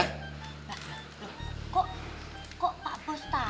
kok kok pak bos tau